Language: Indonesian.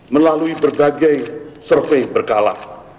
melalui berbagai survei berkala